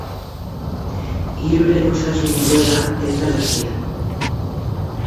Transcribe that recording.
Hiruren osasun egoera ez da larria.